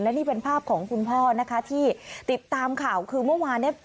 นี่เป็นภาพของคุณพ่อนะคะที่ติดตามข่าวคือเมื่อวานเนี่ย